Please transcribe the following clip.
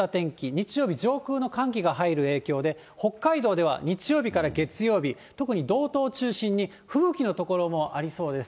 日曜日、上空の寒気が入る影響で、北海道では日曜日から月曜日、特に道東中心に吹雪の所もありそうです。